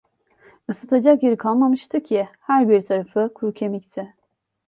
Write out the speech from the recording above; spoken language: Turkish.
Isıtacak yeri kalmamıştı ki, her bir tarafı kuru kemikti.